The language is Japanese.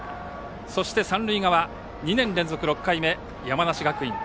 そして三塁側、２年連続６回目山梨学院。